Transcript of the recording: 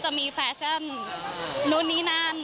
จะมีแฟชั่นนู่นนี่นั่น